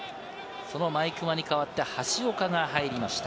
毎熊に代わって橋岡が入りました。